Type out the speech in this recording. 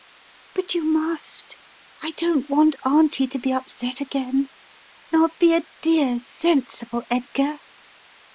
"But you must. I don't want Auntie to be upset again; now be a dear, sensible Edgar!